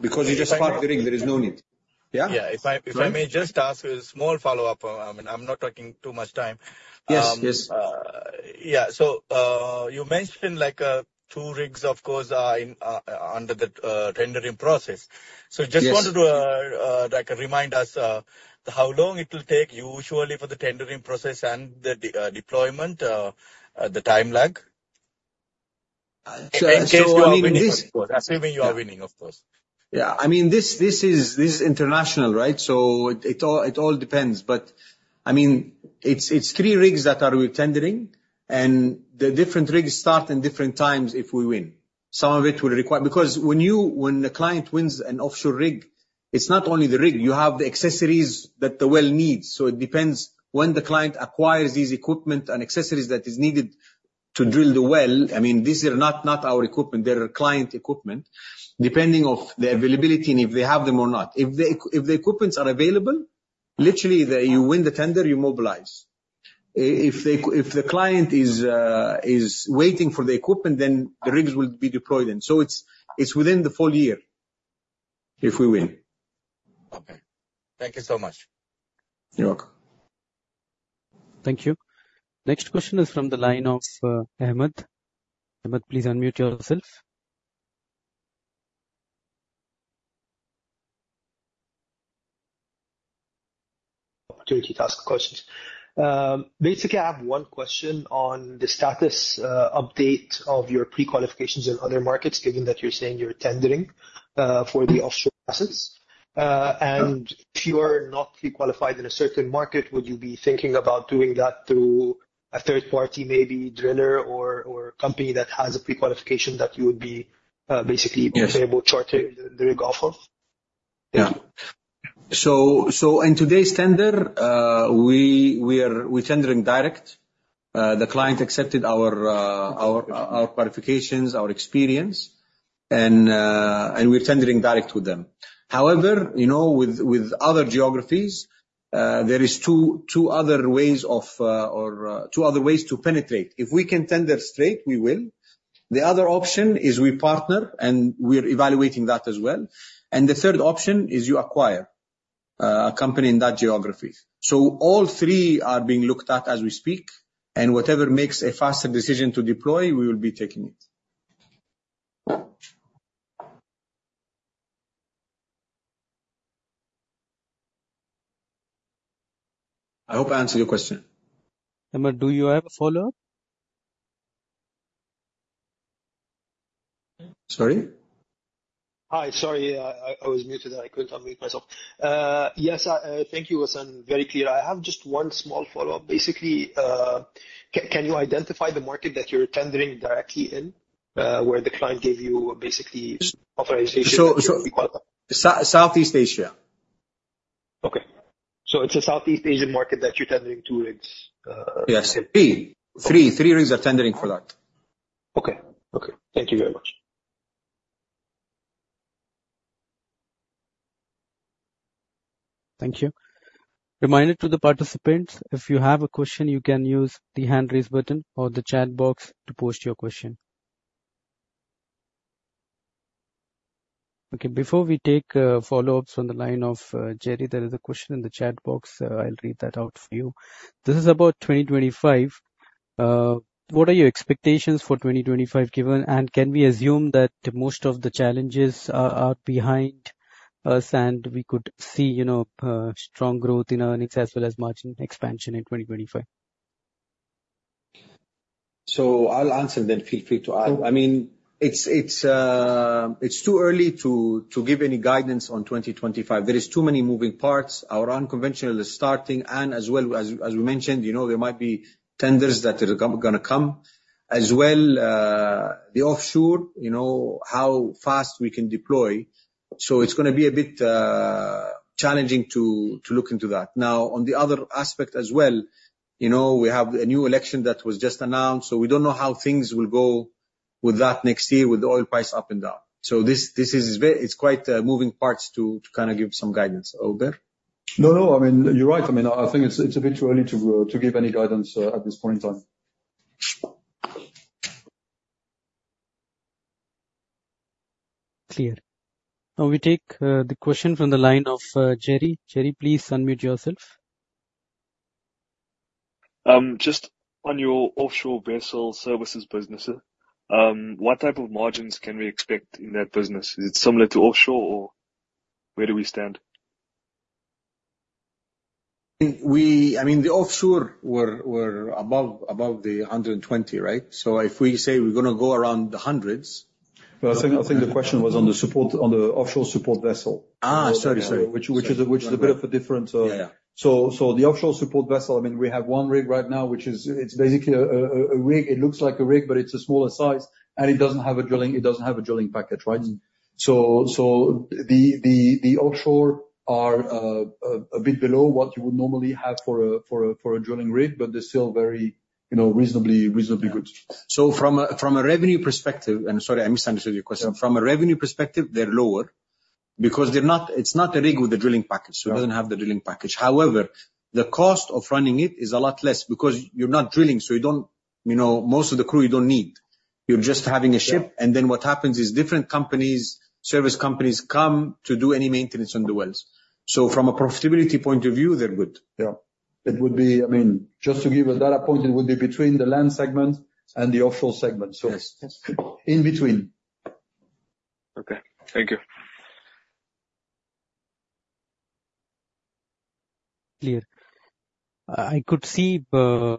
Because you just park the rig, there is no need. Yeah? Yeah. If I may just ask a small follow-up, I mean, I'm not talking too much time. Yes. Yeah. So you mentioned two rigs, of course, are under the tendering process. So just wanted to remind us how long it will take usually for the tendering process and the deployment, the time lag. Assuming you are winning, of course. Yeah. I mean, this is international, right? So it all depends. But I mean, it's three rigs that are with tendering, and the different rigs start in different times if we win. Some of it will require because when a client wins an offshore rig, it's not only the rig. You have the accessories that the well needs. So it depends when the client acquires these equipment and accessories that are needed to drill the well. I mean, these are not our equipment. They're client equipment, depending on the availability and if they have them or not. If the equipments are available, literally, you win the tender, you mobilize. If the client is waiting for the equipment, then the rigs will be deployed in. So it's within the full year if we win. Okay. Thank you so much. You're welcome. Thank you. Next question is from the line of Ahmed. Ahmed, please unmute yourself. Opportunity to ask questions. Basically, I have one question on the status update of your pre-qualifications in other markets, given that you're saying you're tendering for the offshore assets. And if you are not pre-qualified in a certain market, would you be thinking about doing that through a third-party, maybe driller or company that has a pre-qualification that you would be basically able to short the rig off of? Yeah. So in today's tender, we're tendering direct. The client accepted our qualifications, our experience, and we're tendering direct with them. However, with other geographies, there are two other ways to penetrate. If we can tender straight, we will. The other option is we partner, and we're evaluating that as well. And the third option is you acquire a company in that geography. So all three are being looked at as we speak. And whatever makes a faster decision to deploy, we will be taking it. I hope I answered your question. Ahmed, do you have a follow-up? Sorry? Hi. Sorry. I was muted. I couldn't unmute myself. Yes. Thank you. It was very clear. I have just one small follow-up. Basically, can you identify the market that you're tendering directly in where the client gave you basically authorization? So Southeast Asia. Okay. So it's a Southeast Asian market that you're tendering two rigs? Yes. Three rigs are tendering for that. Okay. Okay. Thank you very much. Thank you. Reminder to the participants, if you have a question, you can use the hand-raise button or the chat box to post your question. Okay. Before we take follow-ups on the line of Jerry, there is a question in the chat box. I'll read that out for you. This is about 2025. What are your expectations for 2025 given, and can we assume that most of the challenges are behind us and we could see strong growth in earnings as well as margin expansion in 2025? So I'll answer then. Feel free to ask. I mean, it's too early to give any guidance on 2025. There are too many moving parts. Our unconventional is starting. And as well, as we mentioned, there might be tenders that are going to come as well. The offshore, how fast we can deploy. So it's going to be a bit challenging to look into that. Now, on the other aspect as well, we have a new election that was just announced. So we don't know how things will go with that next year with the oil price up and down. So it's quite moving parts to kind of give some guidance over. No, no. I mean, you're right. I mean, I think it's a bit too early to give any guidance at this point in time. Clear. Now, we take the question from the line of Jerry. Jerry, please unmute yourself. Just on your offshore vessel services business, what type of margins can we expect in that business? Is it similar to offshore or where do we stand? I mean, the offshore were above the 120, right? So if we say we're going to go around the hundreds. I think the question was on the offshore support vessel. Sorry, sorry. Which is a bit of a different. So the offshore support vessel, I mean, we have one rig right now, which is basically a rig. It looks like a rig, but it's a smaller size, and it doesn't have a drilling. It doesn't have a drilling package, right? So the offshore are a bit below what you would normally have for a drilling rig, but they're still very reasonably good. So from a revenue perspective, and sorry, I misunderstood your question. From a revenue perspective, they're lower because it's not a rig with a drilling package. So it doesn't have the drilling package. However, the cost of running it is a lot less because you're not drilling. So most of the crew, you don't need. You're just having a ship. And then what happens is different companies, service companies come to do any maintenance on the wells. So from a profitability point of view, they're good. Yeah. It would be, I mean, just to give a data point, it would be between the land segment and the offshore segment. So in between. Okay. Thank you. Clear. I could see the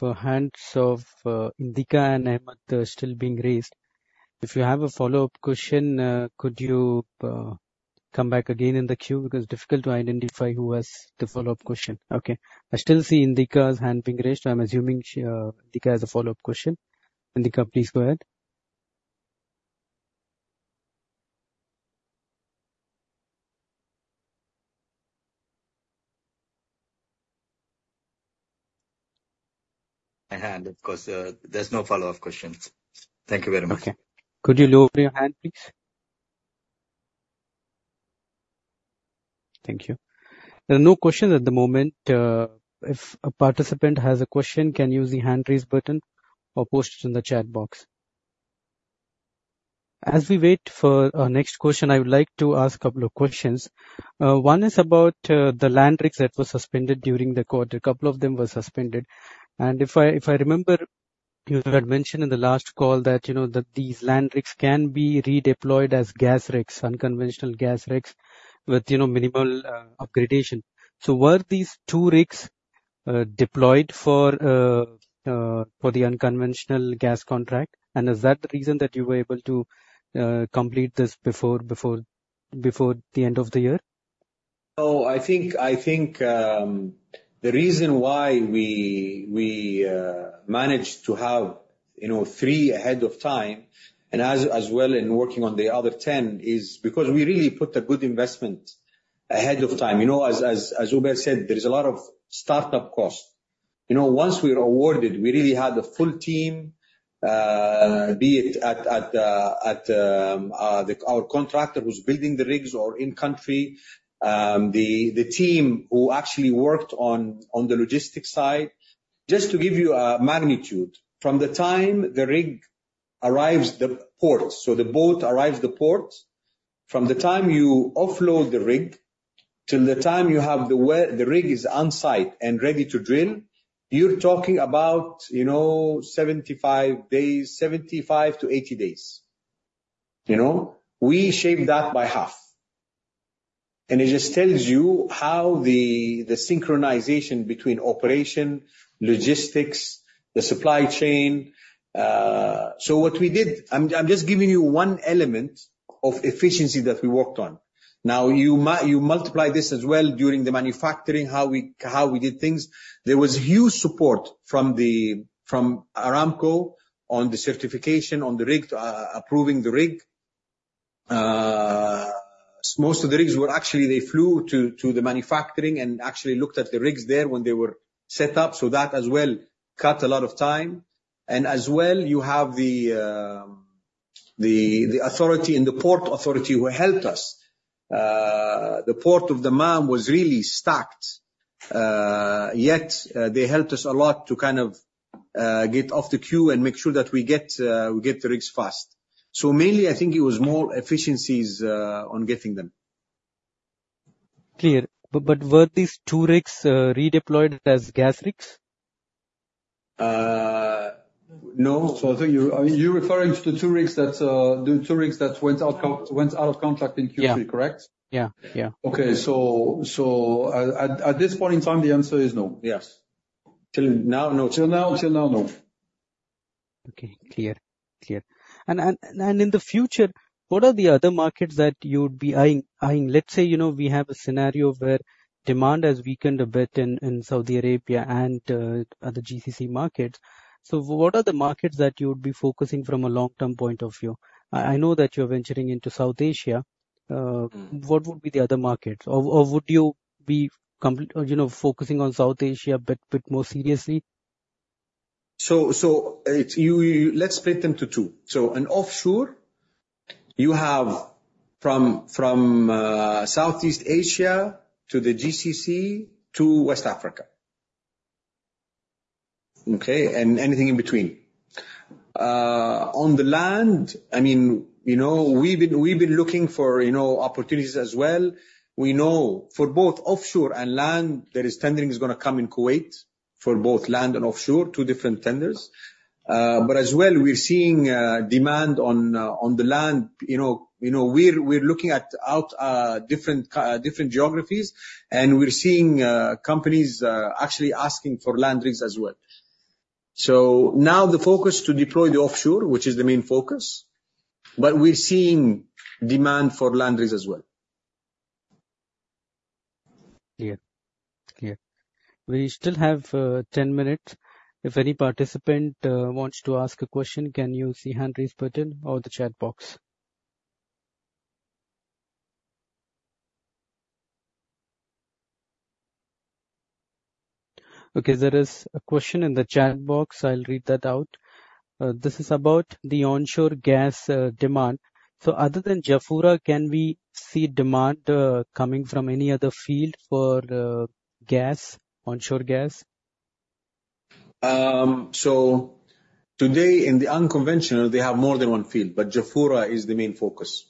hands of Indika and Ahmed still being raised. If you have a follow-up question, could you come back again in the queue? Because it's difficult to identify who has the follow-up question. Okay. I still see Indika's hand being raised. I'm assuming Indika has a follow-up question. Indika, please go ahead. I hand, of course. There's no follow-up questions. Thank you very much. Okay. Could you lower your hand, please? Thank you. There are no questions at the moment. If a participant has a question, can use the hand-raise button or post it in the chat box. As we wait for our next question, I would like to ask a couple of questions. One is about the land rigs that were suspended during the quarter. A couple of them were suspended. And if I remember, you had mentioned in the last call that these land rigs can be redeployed as gas rigs, unconventional gas rigs with minimal upgradation. So were these two rigs deployed for the unconventional gas contract? And is that the reason that you were able to complete this before the end of the year? Oh, I think the reason why we managed to have three ahead of time and as well in working on the other 10 is because we really put a good investment ahead of time. As Hubert said, there's a lot of startup cost. Once we were awarded, we really had a full team, be it at our contractor who's building the rigs or in-country, the team who actually worked on the logistics side. Just to give you a magnitude, from the time the rig arrives the port, so the boat arrives the port, from the time you offload the rig till the time you have the rig on site and ready to drill, you're talking about 75-80 days. We shaved that by half. And it just tells you how the synchronization between operation, logistics, the supply chain. So what we did, I'm just giving you one element of efficiency that we worked on. Now, you multiply this as well during the manufacturing, how we did things. There was huge support from Aramco on the certification, on approving the rig. Most of the rigs were actually they flew to the manufacturing and actually looked at the rigs there when they were set up. So that as well cut a lot of time. And as well, you have the authority in the port authority who helped us. The port of Dammam was really stacked, yet they helped us a lot to kind of get off the queue and make sure that we get the rigs fast. So mainly, I think it was more efficiencies on getting them. Clear. But were these two rigs redeployed as gas rigs? No. So I think you're referring to the two rigs that went out of contract in Q3, correct? Yeah. Okay. So at this point in time, the answer is no. Yes. Till now, no. Okay. Clear. And in the future, what are the other markets that you would be eyeing? Let's say we have a scenario where demand has weakened a bit in Saudi Arabia and other GCC markets. What are the markets that you would be focusing on from a long-term point of view? I know that you're venturing into Southeast Asia. What would be the other markets? Or would you be focusing on Southeast Asia a bit more seriously? Let's split them into two. In offshore, you have from Southeast Asia to the GCC to West Africa. Okay? And anything in between. On the land, I mean, we've been looking for opportunities as well. We know for both offshore and land, there is tendering is going to come in Kuwait for both land and offshore, two different tenders. But as well, we're seeing demand on the land. We're looking at different geographies, and we're seeing companies actually asking for land rigs as well. So now the focus is to deploy the offshore, which is the main focus. But we're seeing demand for land rigs as well. Clear. Clear. We still have 10 minutes. If any participant wants to ask a question, can you see hand-raise button or the chat box? Okay. There is a question in the chat box. I'll read that out. This is about the onshore gas demand. So other than Jafurah, can we see demand coming from any other field for onshore gas? Today, in the unconventional, they have more than one field, but Jafurah is the main focus.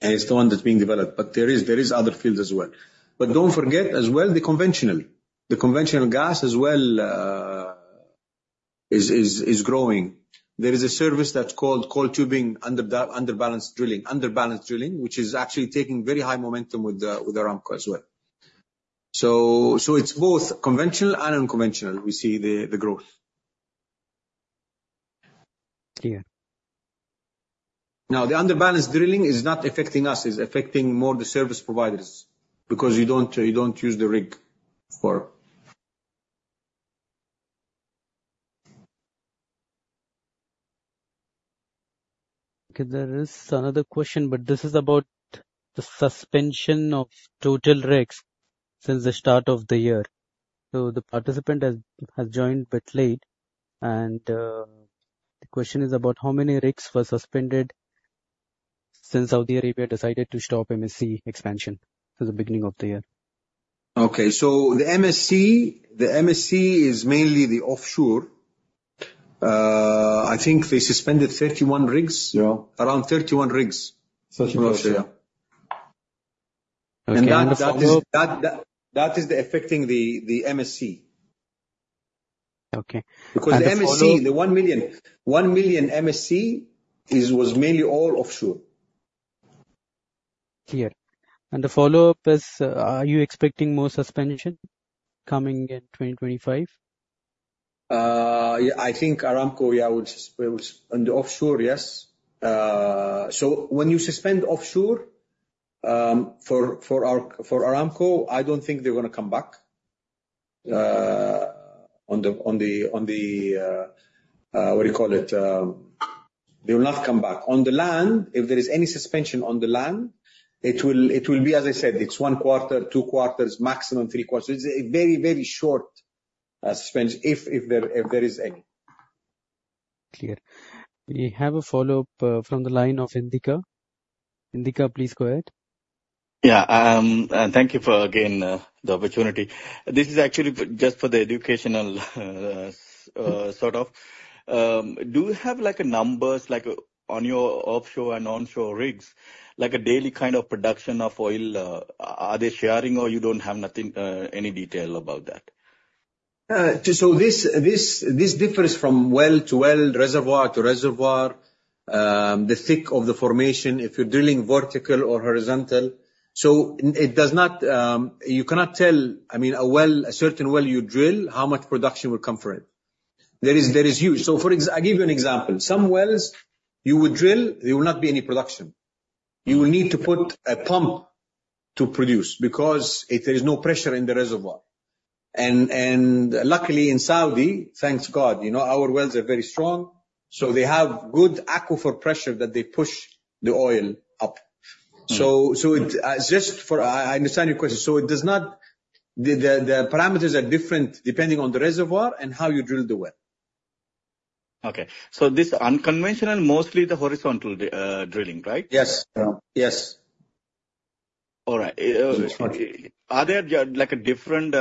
And it's the one that's being developed. But there are other fields as well. But don't forget as well the conventional. The conventional gas as well is growing. There is a service that's called coiled tubing under-balanced drilling, under-balanced drilling, which is actually taking very high momentum with Aramco as well. So it's both conventional and unconventional. We see the growth. Clear. Now, the under-balanced drilling is not affecting us. It's affecting more the service providers because you don't use the rig for. Okay. There is another question, but this is about the suspension of total rigs since the start of the year. So the participant has joined a bit late. The question is about how many rigs were suspended since Saudi Arabia decided to stop MSC expansion at the beginning of the year. Okay. The MSC is mainly the offshore. I think they suspended 31 rigs, around 31 rigs. 31, yeah. That is affecting the MSC. Because the MSC, the one million MSC was mainly all offshore. Clear. The follow-up is, are you expecting more suspension coming in 2025? I think Aramco, yeah, would. Offshore, yes. When you suspend offshore for Aramco, I don't think they're going to come back on the—what do you call it? They will not come back. On the land, if there is any suspension on the land, it will be, as I said, it's one quarter, two quarters, maximum three quarters. It's a very, very short suspension if there is any. Clear. We have a follow-up from the line of Indika. Indika, please go ahead. Yeah. Thank you for, again, the opportunity. This is actually just for the educational sort of. Do you have numbers on your offshore and onshore rigs, like a daily kind of production of oil? Are they sharing, or you don't have any detail about that? So this differs from well to well, reservoir to reservoir, the thickness of the formation, if you're drilling vertical or horizontal. So you cannot tell, I mean, a certain well you drill, how much production will come from it. There is huge. So I'll give you an example. Some wells you would drill, there will not be any production. You will need to put a pump to produce because there is no pressure in the reservoir. And luckily in Saudi, thank God, our wells are very strong. So they have good aquifer pressure that they push the oil up. So just so I understand your question. So the parameters are different depending on the reservoir and how you drill the well. Okay. So this unconventional, mostly the horizontal drilling, right? Yes. Yes. All right. Are there different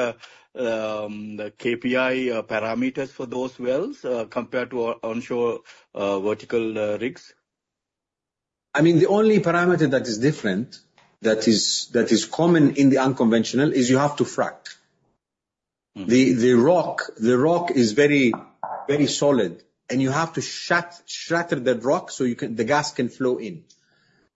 KPI parameters for those wells compared to onshore vertical rigs? I mean, the only parameter that is different, that is common in the unconventional, is you have to frack. The rock is very solid, and you have to shatter that rock so the gas can flow in.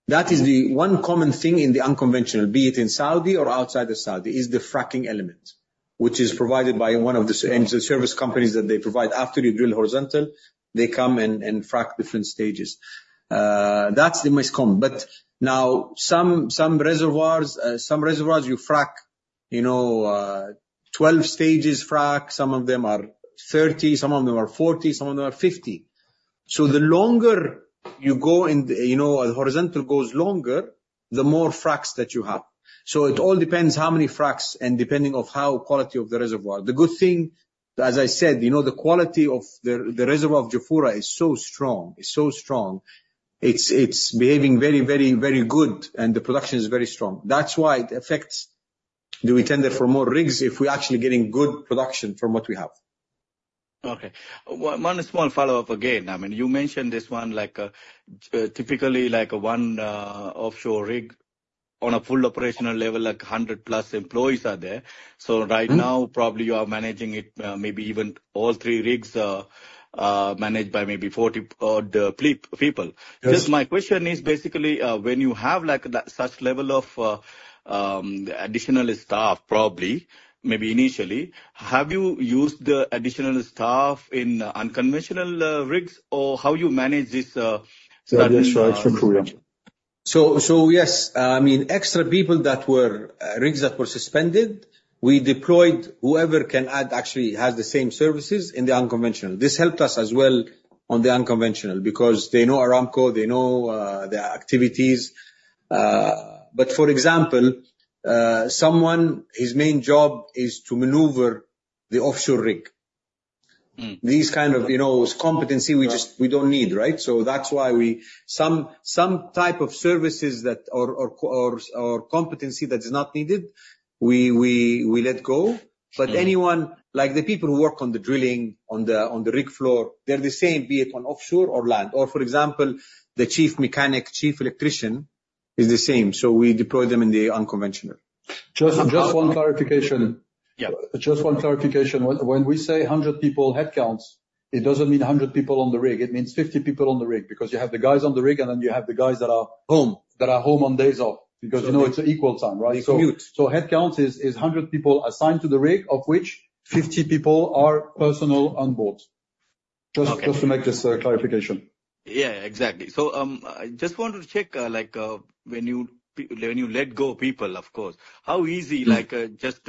That is the one common thing in the unconventional, be it in Saudi or outside of Saudi, is the fracking element, which is provided by one of the service companies that they provide. After you drill horizontal, they come and frack different stages. That's the most common. But now, some reservoirs, you frack 12-stage frack. Some of them are 30. Some of them are 40. Some of them are 50. So the longer you go and the horizontal goes longer, the more fracks that you have. So it all depends how many fracks and depending on the quality of the reservoir. The good thing, as I said, the quality of the reservoir of Jafurah is so strong. It's so strong. It's behaving very, very, very good, and the production is very strong. That's why it affects the tender for more rigs if we're actually getting good production from what we have. Okay. One small follow-up again. I mean, you mentioned this one, typically, one offshore rig on a full operational level, like 100-plus employees are there. So right now, probably you are managing it, maybe even all three rigs managed by maybe 40 people. Just, my question is, basically, when you have such level of additional staff, probably, maybe initially, have you used the additional staff in unconventional rigs, or how do you manage this? So yes. I mean, extra people that were rigs that were suspended, we deployed whoever can add, actually has the same services in the unconventional. This helped us as well on the unconventional because they know Aramco. They know the activities. But for example, someone, his main job is to maneuver the offshore rig. These kind of competency, we don't need, right? So that's why we some type of services or competency that is not needed, we let go. But the people who work on the drilling, on the rig floor, they're the same, be it on offshore or land. Or for example, the chief mechanic, chief electrician is the same. So we deploy them in the unconventional. Just one clarification. Just one clarification. When we say 100 people headcounts, it doesn't mean 100 people on the rig. It means 50 people on the rig because you have the guys on the rig, and then you have the guys that are home on days off because it's an equal time, right? So headcount is 100 people assigned to the rig, of which 50 people are personnel on board. Just to make this clarification. Yeah. Exactly. So I just wanted to check when you let go people, of course, how easy just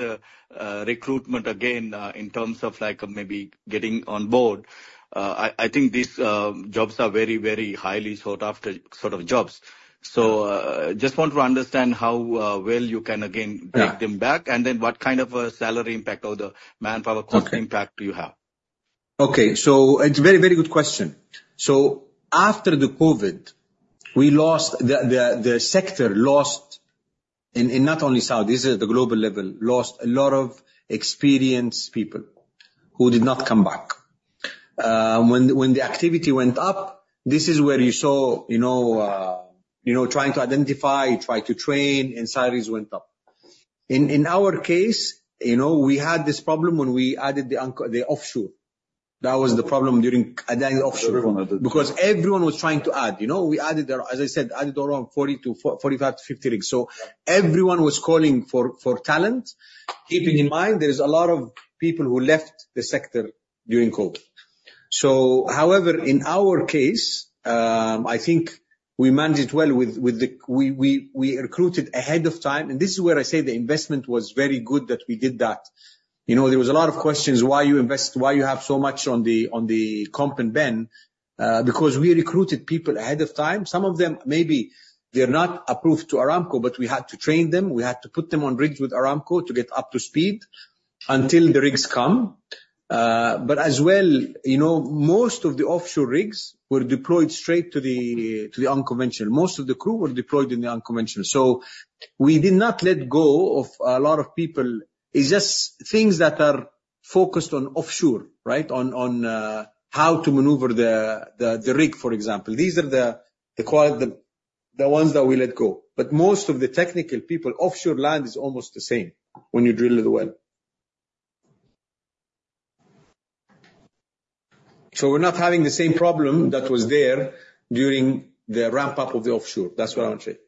recruitment, again, in terms of maybe getting on board. I think these jobs are very, very highly sought-after sort of jobs. So I just want to understand how well you can, again, take them back and then what kind of a salary impact or the manpower cost impact you have. Okay. It's a very, very good question. After the COVID, the sector lost, and not only Saudi, this is at the global level, lost a lot of experienced people who did not come back. When the activity went up, this is where you saw trying to identify, try to train, and salaries went up. In our case, we had this problem when we added the offshore. That was the problem during offshore because everyone was trying to add. We added, as I said, added around 45-50 rigs. Everyone was calling for talent. Keeping in mind, there is a lot of people who left the sector during COVID. However, in our case, I think we managed it well with the we recruited ahead of time. This is where I say the investment was very good that we did that. There was a lot of questions why you invest, why you have so much on the comp and ben, because we recruited people ahead of time. Some of them, maybe they're not approved to Aramco, but we had to train them. We had to put them on rigs with Aramco to get up to speed until the rigs come. But as well, most of the offshore rigs were deployed straight to the unconventional. Most of the crew were deployed in the unconventional. So we did not let go of a lot of people. It's just things that are focused on offshore, right, on how to maneuver the rig, for example. These are the ones that we let go. But most of the technical people, offshore land is almost the same when you drill the well. So we're not having the same problem that was there during the ramp-up of the offshore. That's what I want to say.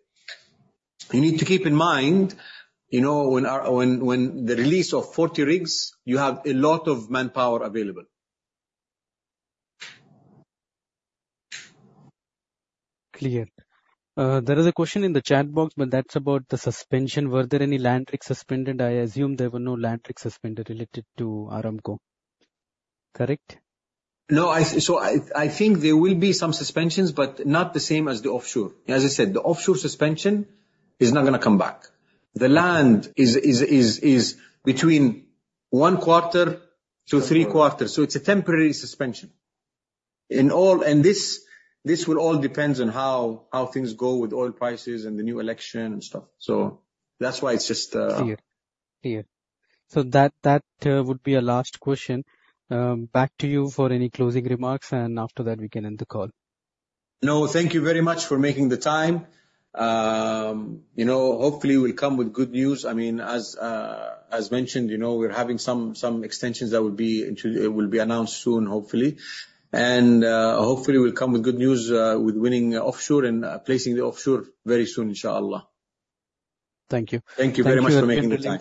You need to keep in mind, when the release of 40 rigs, you have a lot of manpower available. Clear. There is a question in the chat box, but that's about the suspension. Were there any land rigs suspended? I assume there were no land rigs suspended related to Aramco. Correct? No. So I think there will be some suspensions, but not the same as the offshore. As I said, the offshore suspension is not going to come back. The land is between one quarter to three quarters. So it's a temporary suspension. And this will all depend on how things go with oil prices and the new election and stuff. So that's why it's just. Clear. Clear. So that would be a last question. Back to you for any closing remarks, and after that, we can end the call. No. Thank you very much for making the time. Hopefully, we'll come with good news. I mean, as mentioned, we're having some extensions that will be announced soon, hopefully. And hopefully, we'll come with good news with winning offshore and placing the offshore very soon, inshallah. Thank you. Thank you very much for making the time.